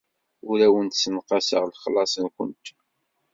Ur awent-ssenqaseɣ lexlaṣ-nwent.